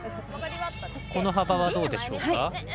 この幅はどうでしょうか？